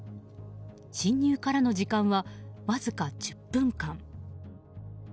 侵入からの時間はわずか１０分間。